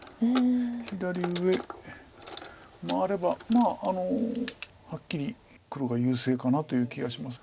左上回ればはっきり黒が優勢かなという気がします。